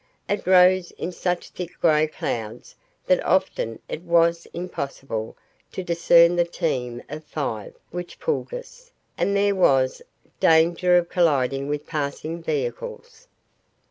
It rose in such thick grey clouds that often it was impossible to discern the team of five which pulled us, and there was danger of colliding with passing vehicles.